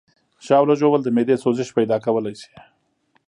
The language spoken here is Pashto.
ژاوله ژوول د معدې سوزش پیدا کولی شي.